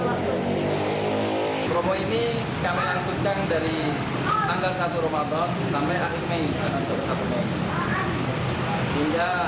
ramadhani atau yang berusur ramadhan untuk datang ke pablet kami